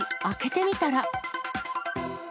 開けてみたら。